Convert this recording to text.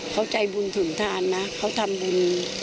เขาใจบุญถึงทานนะเขาทำบุญ